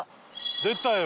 出たよ！